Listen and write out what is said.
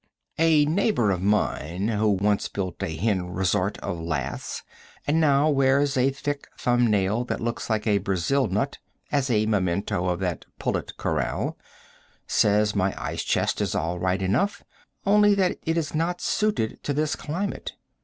A neighbor of mine who once built a hen resort of laths, and now wears a thick thumb nail that looks like a Brazil nut as a memento of that pullet corral, says my ice chest is all right enough, only that it is not suited to this climate.